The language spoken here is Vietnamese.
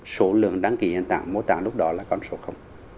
số lượng đăng ký hiến tạng mô tảm lúc đó là con số